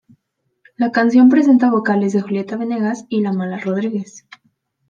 La canción presenta vocales de Julieta Venegas y La Mala Rodríguez.